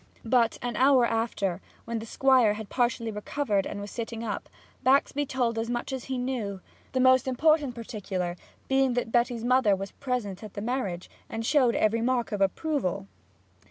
But an hour after, when the Squire had partially recovered and was sitting up, Baxby told as much as he knew, the most important particular being that Betty's mother was present at the marriage, and showed every mark of approval.